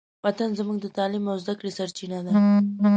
وطن زموږ د تعلیم او زدهکړې سرچینه ده.